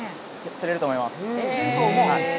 釣れると思います。